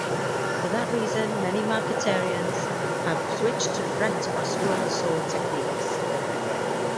For that reason, many marquetarians have switched to fret or scroll saw techniques.